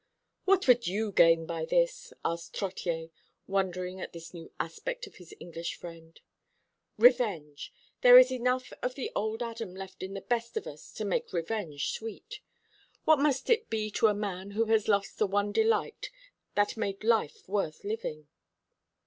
"What would you gain by this?" asked Trottier, wondering at this new aspect of his English friend. "Revenge! There is enough of the old Adam left in the best of us to make revenge sweet. What must it be to a man who has lost the one delight that made life worth living?"